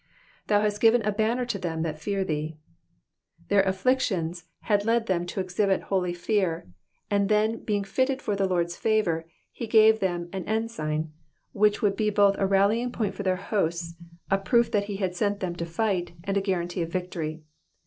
''^Thou hast given a banner to them that fear theey Their afflictions had led them to exhibit holy fear, and then being fitted for the Lord's favour, he gave them an ensign, which would be both a rallying point for their hosts, a proof that he had sent them to fight, and a guarantee of victory.